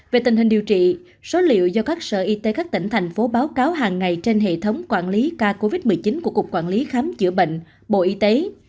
về tình hình điều trị số liệu do các sở y tế các tỉnh thành phố báo cáo hàng ngày trên hệ thống quản lý ca covid một mươi chín của cục quản lý khám chữa bệnh bộ y tế